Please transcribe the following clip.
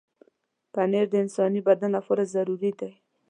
پنېر د انساني بدن لپاره ضروري دی.